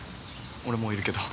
俺もいるけど。